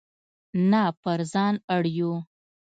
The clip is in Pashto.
نه پر ځان اړ یو.